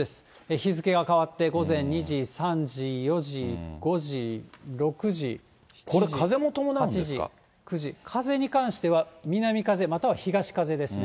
日付が変わって午前２時、３時、４時、これ、風に関しては、南風、または東風ですね。